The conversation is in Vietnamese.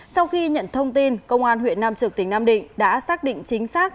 sau khi nhận thông tin công an huyện nam trực tỉnh nam định đã xác định chính xác